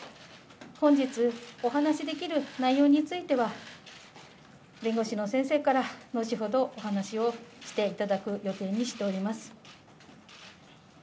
本日、お話しできる内容については、弁護士の先生から後ほどお話をしていただく予定にしております。